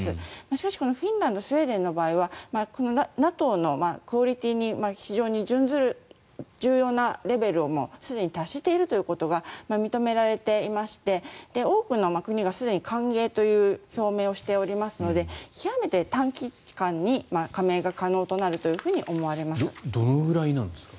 しかし、フィンランドスウェーデンの場合はＮＡＴＯのクオリティーに準ずる重要なレベルをすでに達しているということが認められていまして多くの国がすでに歓迎という表明をしておりますので極めて短期間に加盟がどのぐらいなんですか？